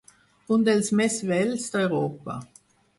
“Un dels més vells d’Europa”